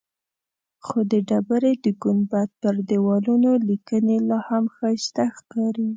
خو د ډبرې د ګنبد پر دیوالونو لیکنې لاهم ښایسته ښکاري.